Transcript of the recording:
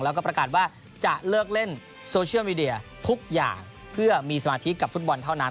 แล้วก็ประกาศว่าจะเลิกเล่นโซเชียลมีเดียทุกอย่างเพื่อมีสมาธิกับฟุตบอลเท่านั้น